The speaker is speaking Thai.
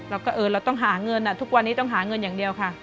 เออเราต้องหาเงินทุกวันนี้ต้องหาเงินอย่างเดียวค่ะ